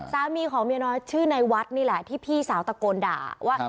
สามีของเมียน้อยชื่อในวัดนี่แหละที่พี่สาวตะโกนด่าว่า